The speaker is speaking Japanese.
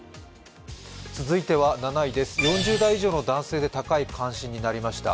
７位です、４０歳以上の男性に高い関心になりました。